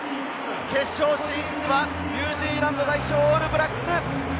決勝進出はニュージーランド代表、オールブラックス！